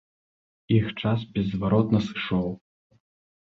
Іх час беззваротна сышоў.